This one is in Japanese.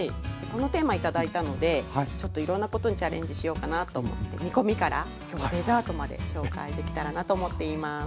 このテーマ頂いたのでちょっといろんなことにチャレンジしようかなと思って煮込みから今日はデザートまで紹介できたらなと思っています。